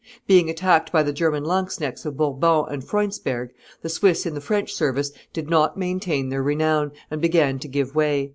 Being attacked by the German lanzknechts of Bourbon and Freundsberg, the Swiss in the French service did not maintain their renown, and began to give way.